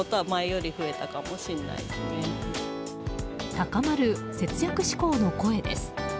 高まる節約志向の声です。